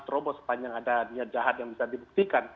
terobos sepanjang ada niat jahat yang bisa dibuktikan